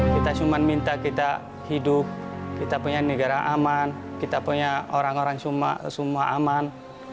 kita cuma minta kita hidup kita punya negara aman kita punya orang orang semua aman